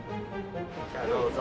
じゃあどうぞ。